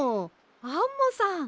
アンモさん！